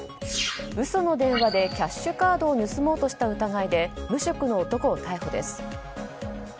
嘘の電話でキャッシュカードを盗もうとした疑いで無職の男を逮捕です。